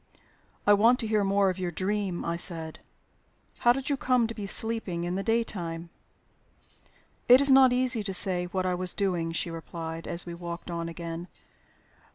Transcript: "I want to hear more of your dream," I said. "How did you come to be sleeping in the daytime?" "It is not easy to say what I was doing," she replied, as we walked on again.